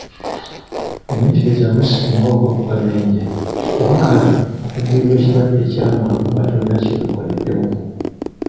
Fumiitirizaamu singa ogwa ku kabenje, oba kale okugwirwa ekirwadde ekyamangu nga tolina kyewekoleddewo!